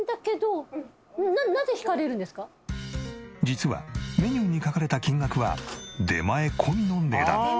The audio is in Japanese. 実はメニューに書かれた金額は出前込みの値段。